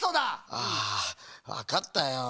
ああわかったよ。